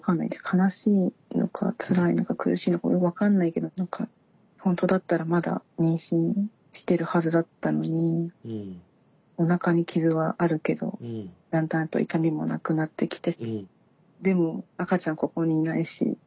悲しいのかつらいのか苦しいのか分かんないけどほんとだったらまだ妊娠してるはずだったのにおなかに傷はあるけどだんだんと痛みもなくなってきてでも赤ちゃんここにいないし。